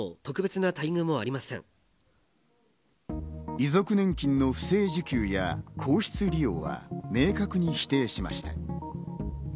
遺族年金の不正受給や皇室利用は明確に否定しました。